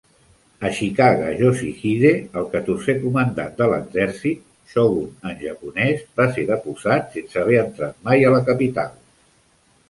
Ashikaga Yoshihide, el catorzè comandant de l'exèrcit ("shogun" en japonès), va ser deposat sense haver entrat mai a la capital.